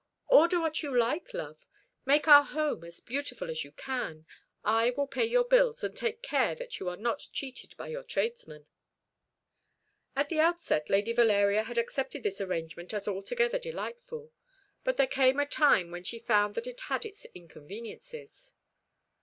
"Order what you like, love. Make our home as beautiful as you can. I will pay your bills, and take care that you are not cheated by your tradesmen." At the outset Lady Valeria had accepted this arrangement as altogether delightful; but there came a time when she found that it had its inconveniences.